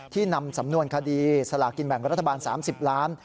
นำสำนวนคดีสลากินแบ่งรัฐบาล๓๐ล้าน